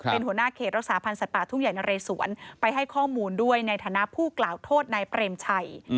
เป็นหัวหน้าเขตรักษาพันธ์สัตว์ป่าทุ่งใหญ่นะเรสวนไปให้ข้อมูลด้วยในฐานะผู้กล่าวโทษนายเปรมชัย